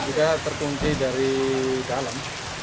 ini juga tertunggi dari dalam